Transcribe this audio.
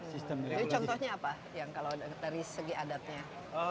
jadi contohnya apa yang kalau dari segi adatnya